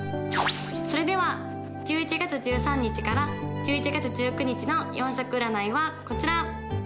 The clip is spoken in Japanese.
・それでは１１月１３日から１１月１９日の４色占いはこちら！